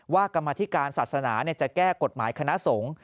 กรรมธิการศาสนาจะแก้กฎหมายคณะสงฆ์